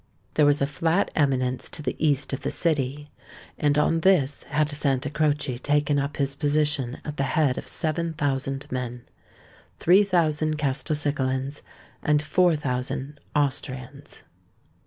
There was a flat eminence to the east of the city; and on this had Santa Croce taken up his position at the head of seven thousand men—three thousand Castelcicalans, and four thousand Austrians.